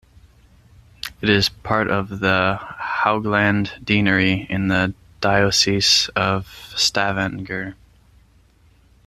It is part of the Haugaland deanery in the Diocese of Stavanger.